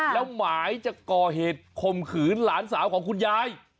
แล้วหมายจะก่อเหตุคมขืนหลานสาวของคุณยาย